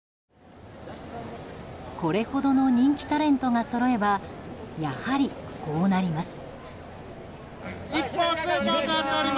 これほどの人気タレントがそろえばやはり、こうなります。